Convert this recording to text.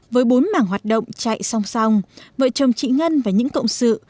với bốn mảng hoạt động chạy song song vợ chồng chị ngân và những cộng sự